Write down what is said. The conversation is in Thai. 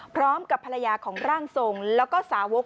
พร้อมกับภรรยาของร่างทรงแล้วก็สาวก